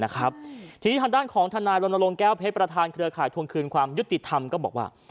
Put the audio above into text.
ทีนี้ทางด้านของทนายรณรงค์แก้วเพชรประธานเครือข่ายทวงคืนความยุติธรรมก็บอกว่า